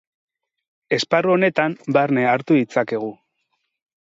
Esparru honetan barne hartu ditzakegu.